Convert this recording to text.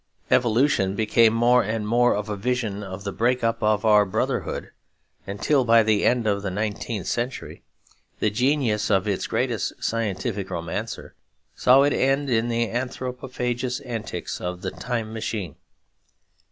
Evolution became more and more a vision of the break up of our brotherhood, till by the end of the nineteenth century the genius of its greatest scientific romancer saw it end in the anthropophagous antics of the Time Machine.